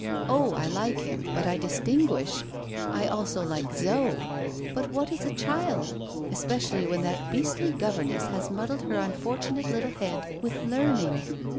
Oh, I like him, but I distinguish! I also like Zo. But what is a child especially when that beastly governess has muddled her unfortunate little head with learning?